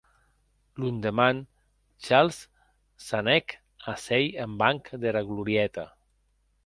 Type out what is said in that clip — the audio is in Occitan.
Londeman, Charles s’anèc a sèir en banc dera glorieta.